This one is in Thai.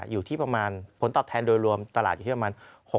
อยู่ที่ประมาณผลตอบแทนโดยรวมตลาดอยู่ที่ประมาณ